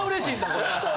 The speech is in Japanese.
これ。